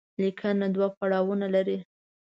ليکنه دوه پړاوونه لري.